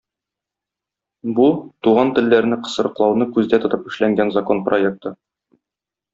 Бу - туган телләрне кысрыклауны күздә тотып эшләнгән закон проекты.